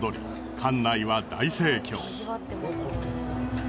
館内は大盛況。